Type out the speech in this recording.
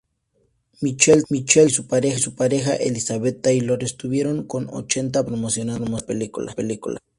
Michael Todd y su pareja Elizabeth Taylor estuvieron en ochenta países promocionando la película.